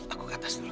aku ke atas dulu